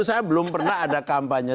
saya belum pernah ada kampanye